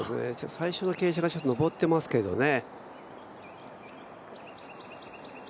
最初の傾斜がちょっと上ってますけどね。